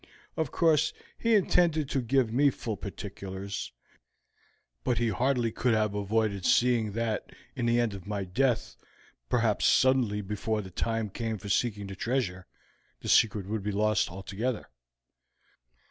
Of course he intended to give me full particulars, but he could hardly have avoided seeing that, in the event of my death, perhaps suddenly before the time came for seeking the treasure, the secret would be lost altogether.